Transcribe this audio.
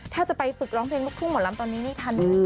ถ้าจะไปฝึกร้องเพลงลูกทุ่งหมอลำตอนนี้นี่ทันไหม